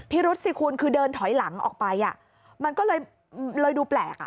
รุษสิคุณคือเดินถอยหลังออกไปมันก็เลยดูแปลกอ่ะ